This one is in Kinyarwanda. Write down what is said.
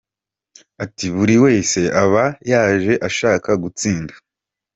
Ati “Buri wese aba yaje ashaka gutsinda.